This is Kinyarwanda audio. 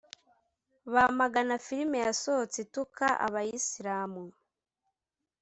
bamagana filimi yasohotse ituka abaislamu